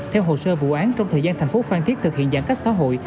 theo hồ sơ vụ án trong thời gian tp phan thiết thực hiện giãn cách xã hội